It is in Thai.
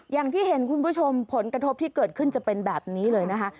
อย่างที่เห็นคุณผู้ชมผลกระทบที่เกิดขึ้นจะเป็นแบบนี้เลยนะคะ